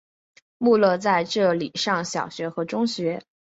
穆勒在这里上小学和中学。